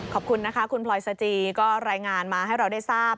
ขอบคุณนะคะคุณพลอยสจีก็รายงานมาให้เราได้ทราบ